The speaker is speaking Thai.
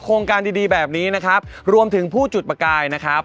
การดีดีแบบนี้นะครับรวมถึงผู้จุดประกายนะครับ